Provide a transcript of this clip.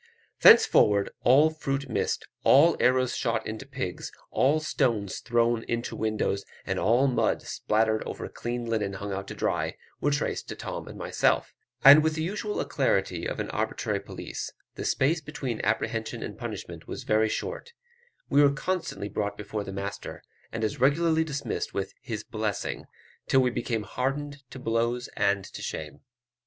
Thenceforward all fruit missed, all arrows shot into pigs, all stones thrown into windows, and all mud spattered over clean linen hung out to dry, were traced to Tom and myself; and with the usual alacrity of an arbitrary police, the space between apprehension and punishment was very short we were constantly brought before the master, and as regularly dismissed with "his blessing," till we became hardened to blows and to shame.